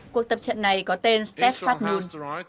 cuộc tập trận này có tên steph fadnun